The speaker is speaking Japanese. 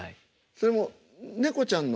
それも猫ちゃんの。